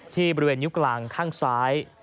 ที่บริเวณนิ้วกลางข้างซ้าย